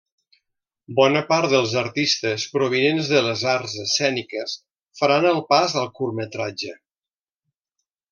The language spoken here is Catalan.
Bona part dels artistes provinents de les arts escèniques faran el pas al curtmetratge.